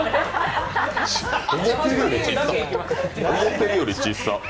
思ってるより、ちっさ。